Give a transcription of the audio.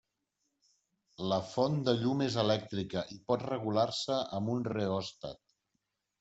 La font de llum és elèctrica i pot regular-se amb un reòstat.